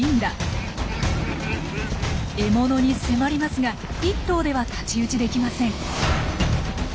獲物に迫りますが１頭では太刀打ちできません。